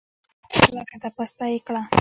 دا ځمکه کلکه ده؛ پسته يې کړه.